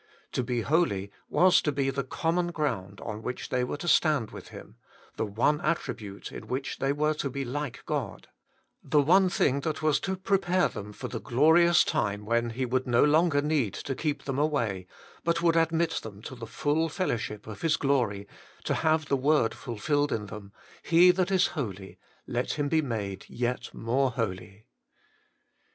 To be holy was to be the common ground on which they were to stand with Him ; the one attribute in which they were to be like God ; the one thing that was to prepare them for the glorious time when He would no longer need to keep them away, but would admit them to the full fellowship of His glory, to have the word fulfilled in them :' He that is holy, let him be made yet more holy.'